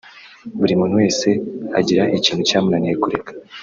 Buri muntu wese agira ikintu cyamunaniye kureka